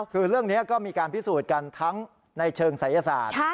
คือเรื่องนี้ก็มีการพิสูจน์กันทั้งในเชิงศัยศาสตร์